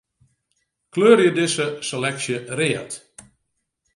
Kleurje dizze seleksje read.